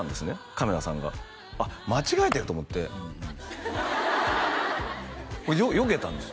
カメラさんがあっ間違えてると思ってよけたんです